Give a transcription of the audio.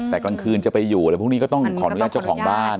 แต่กลางคืนจะไปอยู่อะไรพวกนี้ก็ต้องขออนุญาตเจ้าของบ้าน